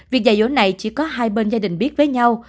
việc dạy dỗ này chỉ có hai bên gia đình biết với nhau